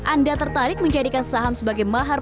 anda tertarik menjadikan saham sebagai mahar